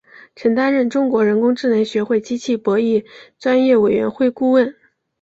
曾担任中国人工智能学会机器博弈专业委员会顾问。